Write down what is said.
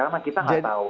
namun kita gak tahu